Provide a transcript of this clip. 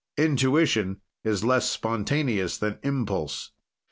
Intuition is less spontaneous than impulse.